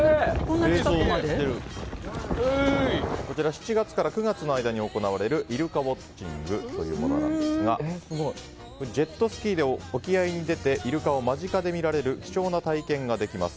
７月から９月の間に行われるイルカウォッチングなんですがジェットスキーで沖合に出てイルカを間近で見られる貴重な体験ができます。